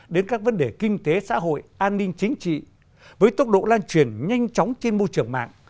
đến các vấn đề kinh tế xã hội an ninh chính trị với tốc độ lan truyền nhanh chóng trên môi trường mạng